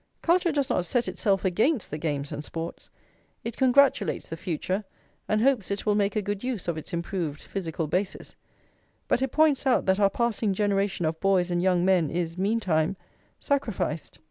Culture does not set itself against the games and sports; it congratulates the future, and hopes it will make a good use of its improved physical basis; but it points out that our passing generation of boys and young men is, meantime, sacrificed.